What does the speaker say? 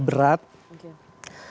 beban juga berat